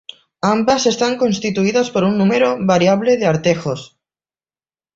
Ambas están constituidas por un número variable de artejos.